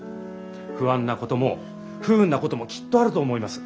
不安なことも不運なこともきっとあると思います。